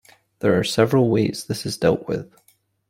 There are several ways this is dealt with.